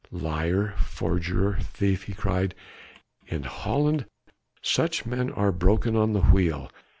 Liar, forger, thief!" he cried, "in Holland such men are broken on the wheel.